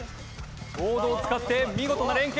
ボードを使って見事な連係！